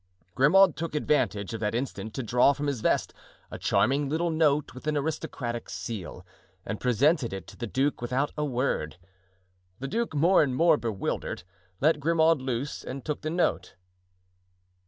Grimaud took advantage of that instant to draw from his vest a charming little note with an aristocratic seal, and presented it to the duke without a word. The duke, more and more bewildered, let Grimaud loose and took the note.